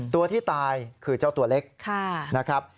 ตัวที่ตายคือเจ้าตัวเล็ก